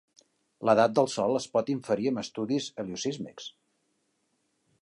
L'edat del sol es pot inferir amb estudis heliosísmics.